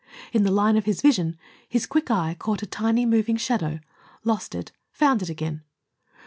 In the line of his vision, his quick eye caught a tiny moving shadow, lost it, found it again.